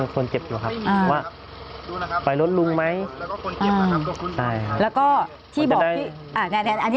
คุณคิวเค้าบอกไปรถลุงไหม